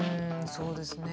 そうですね。